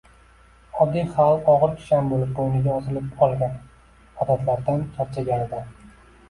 oddiy xalq og‘ir kishan bo‘lib bo‘yniga osilib olgan odatlardan charchaganidan